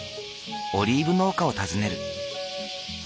オリーブ農家を訪ねる。